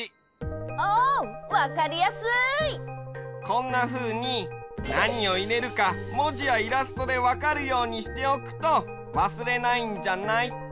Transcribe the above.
こんなふうになにをいれるかもじやイラストでわかるようにしておくとわすれないんじゃない？